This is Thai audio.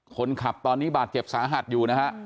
คนขับตอนนี้บาดเจ็บสาหัสอยู่นะฮะ